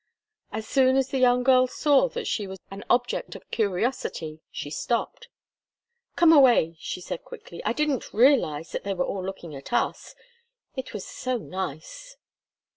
As soon as the young girl saw that she was an object of curiosity, she stopped. "Come away!" she said quickly. "I didn't realize that they were all looking at us it was so nice."